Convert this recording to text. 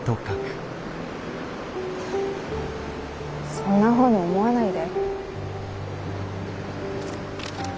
そんなふうに思わないで。